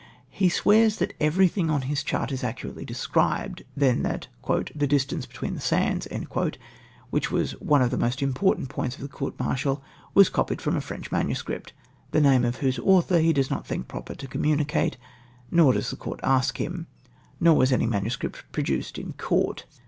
He swears that eYevythmg on his chart is accuratelij described — then, that " the distance between the sands," which was one of the most important points of the court martial, «'rts copied from aFrencJi MS. ! the name of whose author he does not think proper to com municate, nor does the coiu t ask him ! nor was any INISS. produced in Court.